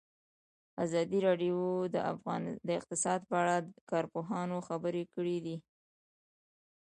ازادي راډیو د اقتصاد په اړه د کارپوهانو خبرې خپرې کړي.